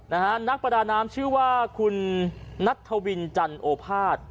นักประดาน้ำชื่อว่าคุณนัทธวินจันโอภาษย์